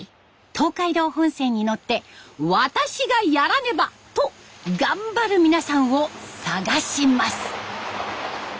東海道本線に乗って「私がやらねば」と頑張る皆さんを探します。